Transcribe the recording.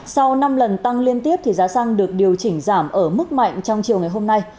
sau năm lần tăng liên tiếp giá xăng được điều chỉnh giảm ở mức mạnh trong chiều ngày hôm nay